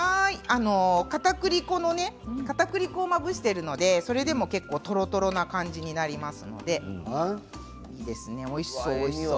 かたくり粉をまぶしているのでそれでも結構とろとろな感じになりますので。